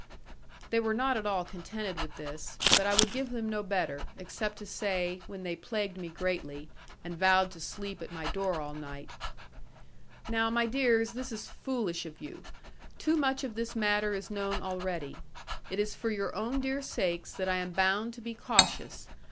They were not at all contented with this; but I would give them no better; except to say, when they plagued me greatly, and vowed to sleep at my door all night, 'Now, my dears, this is foolish of you. Too much of this matter is known already. It is for your own dear sakes that I am bound to be cautious.